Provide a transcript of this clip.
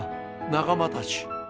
仲間たち！